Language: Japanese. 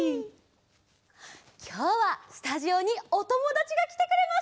きょうはスタジオにおともだちがきてくれました！